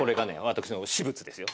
私の私物ですよ。